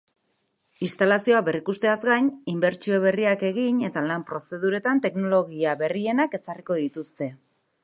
Instalazioak berrikusteaz gain, inbertsio berriak egin eta lan-prozeduretan teknologia berrienak ezarriko dituzte.